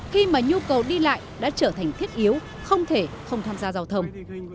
khi mà nhu cầu đi lại đã trở thành thiết yếu không thể không tham gia giao thông